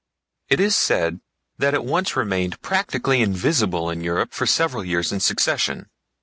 It is said that it once remained practically invisible in Europe for several years in succession.